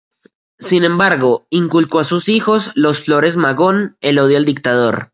Sin embargo, inculcó a sus hijos, los Flores Magón, el odio al dictador.